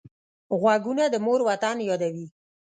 غوږونه د مور وطن یادوي